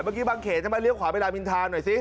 เมื่อกี้บางเขนจะมาเลี้ยวขวาไปดามอินทราหน่อยสิ